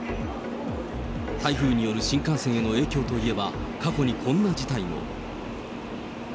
台風による新幹線への影響といえば、過去にこんな事態も。